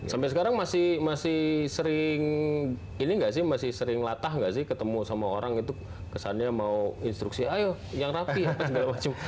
sampai sekarang masih sering latah gak sih ketemu sama orang itu kesannya mau instruksi ayo yang rapi apa segala macam